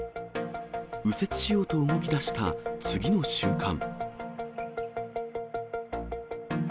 右折しようと動きだした次の瞬間。